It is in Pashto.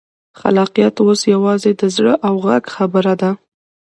خلاقیت اوس یوازې د زړه او غږ خبره ده.